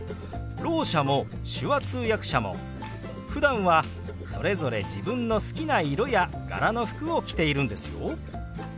ろう者も手話通訳者もふだんはそれぞれ自分の好きな色や柄の服を着ているんですよ。